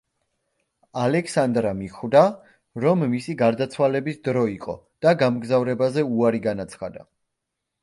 ალექსანდრა მიხვდა, რომ მისი გარდაცვალების დრო იყო და გამგზავრებაზე უარი განაცხადა.